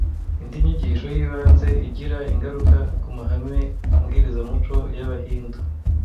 Indi nyigisho y’ibanze igira ingaruka ku mahame mbwirizamuco y’Abahindu